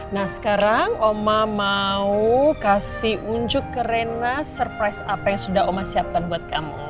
nah sekarang oma mau kasih unjuk kerena surprise apa yang sudah oma siapkan buat kamu